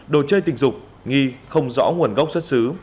đồ chơi tình dục nghi không rõ nguồn gốc xuất xứ